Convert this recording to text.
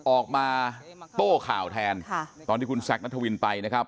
ออกมาโต้ข่าวแทนตอนที่คุณแซคนัทวินไปนะครับ